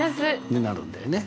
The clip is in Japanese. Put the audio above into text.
になるんだよね。